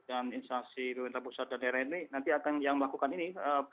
instansi pemerintah pusat dan daerah ini nanti akan yang melakukan ini